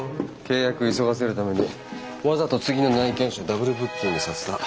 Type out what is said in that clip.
契約急がせるためにわざと次の内見者ダブルブッキングさせた。